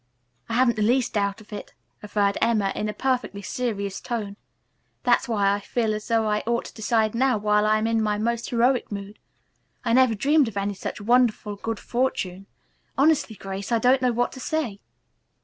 "I haven't the least doubt of it," averred Emma in a perfectly serious tone. "That's why I feel as though I ought to decide now while I am in my most heroic mood. I never dreamed of any such wonderful good fortune. Honestly, Grace, I don't know what to say."